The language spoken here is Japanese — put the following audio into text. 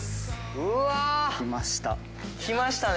うわあ。きました。